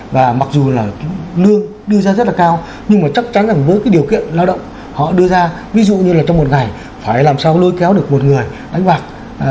và mặc dù là lương đưa ra rất là cao nhưng mà chắc chắn với cái điều kiện lao động họ đưa ra ví dụ như là trong một ngày phải làm sao lôi kéo được một người đánh bạc